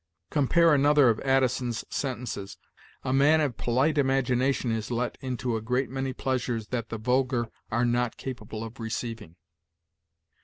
Compare another of Addison's sentences: 'a man of polite imagination is let into a great many pleasures that the vulgar are not capable of receiving.'